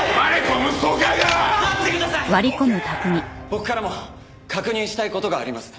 僕からも確認したい事があります。